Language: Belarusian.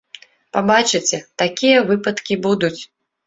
Пабачыце, такія выпадкі будуць!